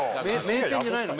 名店じゃないの？